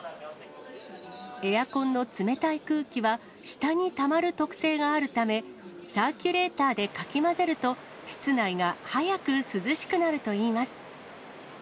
エアコンの冷たい空気は、下にたまる特性があるため、サーキュレーターでかき混ぜると、室内が早く涼しくなるといいます。